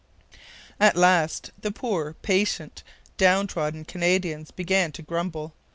At last the poor, patient, down trodden Canadians began to grumble.